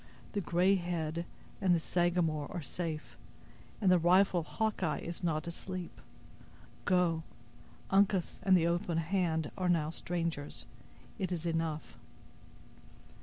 The 'Gray Head' and the Sagamore are safe, and the rifle of Hawkeye is not asleep. Go—Uncas and the 'Open Hand' are now strangers. It is enough."